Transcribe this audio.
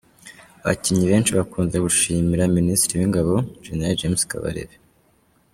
Abakinnyi benshi bakunze gushimira Minisitiri w’ingabo General James Kabarebe.